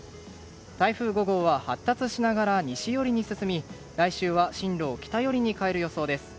台風５号は発達しながら西寄りに進み来週は進路を北寄りに変える予想です。